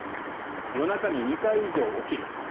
夜中に２回以上起きる。